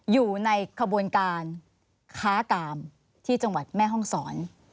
อยู่ในขบวนการค้ากามที่จังหวัดแม่ห้องศร